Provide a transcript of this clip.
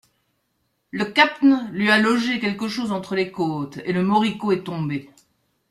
Le cap'n lui a logé quelque chose entre les côtes, et le moricaud est tombé.